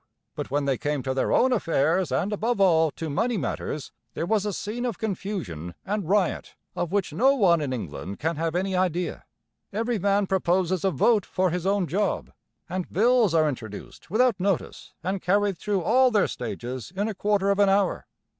But when they came to their own affairs, and, above all, to money matters, there was a scene of confusion and riot of which no one in England can have any idea. Every man proposes a vote for his own job; and bills are introduced without notice and carried through all their stages in a quarter of an hour!